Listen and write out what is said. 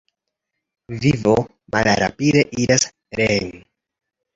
Vivo malrapide iras reen.